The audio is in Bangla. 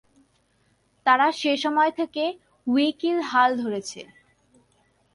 তারা সেসময় থেকে উইকির হাল ধরেছে।